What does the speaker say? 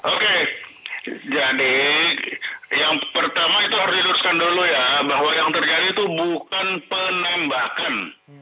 oke jadi yang pertama itu harus diluruskan dulu ya bahwa yang terjadi itu bukan penembakan